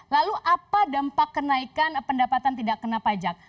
lalu apa dampak kenaikan pendapatan tidak kena pajak